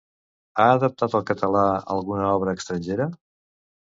Ha adaptat al català alguna obra estrangera?